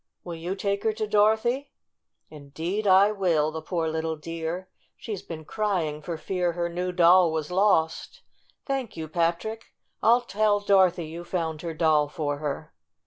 Will you take her to Dorothy ?" "Indeed I will, the poor little dear! She's been crying for fear her new doll was lost. Thank you, Patrick! I'll tell Dorothy you found her doll for her."